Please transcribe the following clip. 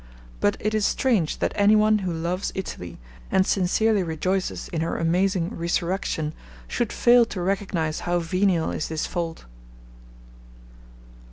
But it is strange that any one who loves Italy, and sincerely rejoices in her amazing resurrection, should fail to recognise how venial is this fault.